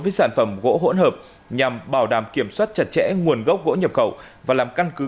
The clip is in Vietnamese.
với sản phẩm gỗ hỗn hợp nhằm bảo đảm kiểm soát chặt chẽ nguồn gốc gỗ nhập khẩu và làm căn cứ